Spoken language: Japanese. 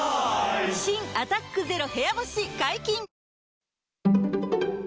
新「アタックＺＥＲＯ部屋干し」解禁‼